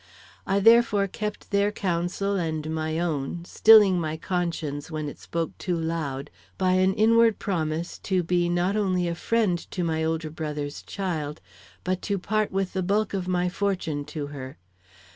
I therefore kept their counsel and my own; stilling my conscience when it spoke too loud, by an inward promise to be not only a friend to my older brother's child, but to part with the bulk of my fortune to her.